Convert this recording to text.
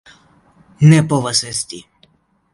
Ne povas esti!